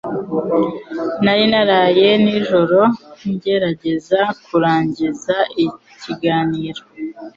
Nari naraye nijoro ngerageza kurangiza ikiganiro.